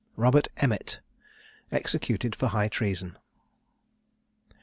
ROBERT EMMET. EXECUTED FOR HIGH TREASON.